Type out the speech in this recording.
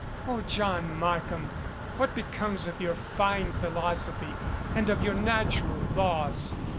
O John Markham! What be comes of your fine philosophy? And of your natural laws?